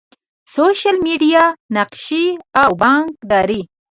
سوشل میډیا، نقشي او بانکداری